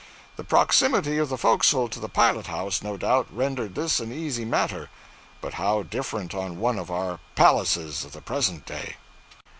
The proximity of the forecastle to the pilot house, no doubt, rendered this an easy matter; but how different on one of our palaces of the present day.